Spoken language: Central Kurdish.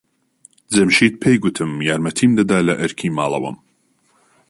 جەمشید پێی گوتم یارمەتیم دەدات لە ئەرکی ماڵەوەم.